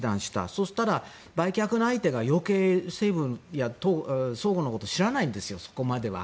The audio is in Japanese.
そうしたら売却が相手が余計にそごう・西武のことを知らないんですよ、そこまで。